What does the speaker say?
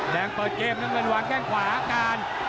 แดงเปิดเกมนางเงินหวังแข้งขวากาล